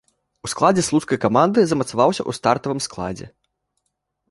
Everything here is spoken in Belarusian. У складзе слуцкай каманды замацаваўся ў стартавым складзе.